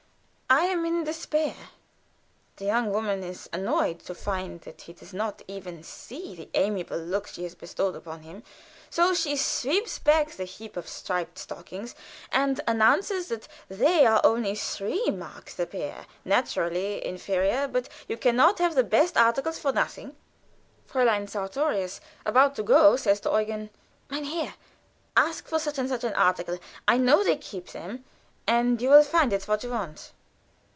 I am in despair. The young woman is annoyed to find that he does not even see the amiable looks she has bestowed upon him, so she sweeps back the heap of striped stockings and announces that they are only three marks the pair naturally inferior, but you can not have the best article for nothing. Fräulein Sartorius, about to go, says to Eugen: "Mein Herr, ask for such and such an article. I know they keep them, and you will find it what you want."